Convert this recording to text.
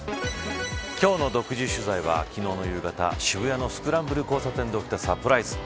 今日の独自取材は昨日の夕方、渋谷のスクランブル交差点で起きたサプライズ。